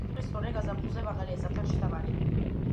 წყლის დონე გაზაფხულზე მაღალია, ზამთარში დაბალი.